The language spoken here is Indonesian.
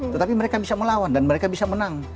tetapi mereka bisa melawan dan mereka bisa menang